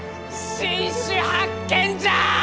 新種発見じゃ！